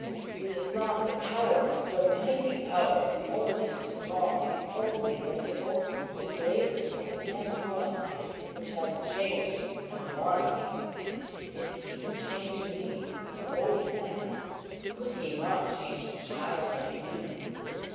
Is it not the Power, the Mighty Power of the only Strong, the only Merciful, the grace of Emmanuel, which has changed and won me? If He can change me, an old man, could He not change a child like you?